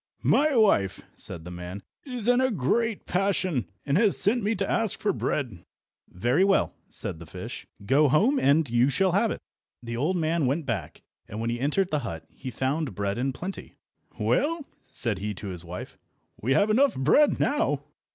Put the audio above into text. "My wife," said the man, "is in a great passion, and has sent me to ask for bread." "Very well," said the fish, "go home and you shall have it." The old man went back, and when he entered the hut he found bread in plenty. "Well," said he to his wife, "we have enough bread now."